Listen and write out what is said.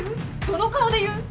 どの顔で言う？